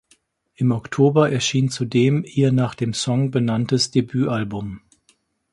Im Oktober erschien zudem ihr nach dem Song benanntes Debütalbum.